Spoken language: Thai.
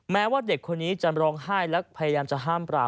แม้ว่าเด็กคนนี้จะร้องไห้และพยายามจะห้ามปราบ